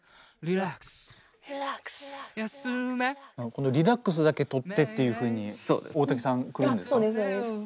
この「リラックス」だけとってっていうふうに大瀧さんくるんですか？